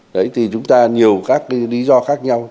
đấy thì chúng ta nhiều các cái lý do khác nhau